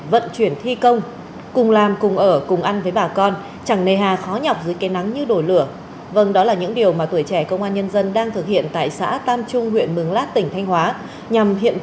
hãy đăng ký kênh để ủng hộ kênh của mình nhé